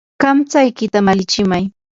kamtsaykita malichimay.